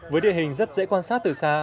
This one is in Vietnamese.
với địa hình rất dễ quan sát từ xa